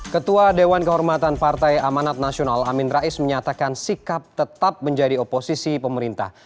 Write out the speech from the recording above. ketua dewan kehormatan partai amanat nasional amin rais menyatakan sikap tetap menjadi oposisi pemerintah